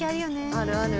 あるある。